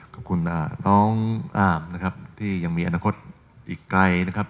ขอบคุณน้องอาบนะครับที่ยังมีอนาคตอีกไกลนะครับ